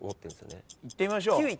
いってみましょう。